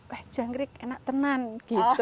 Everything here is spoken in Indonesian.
wah jangkrik enak tenan gitu